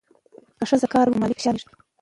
که ښځه کار وکړي، نو مالي فشار کمېږي.